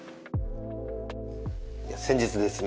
先日ですね